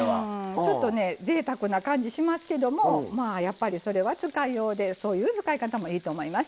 ちょっとねぜいたくな感じがしますけどそれは使いようでそういう使い方もいいと思います。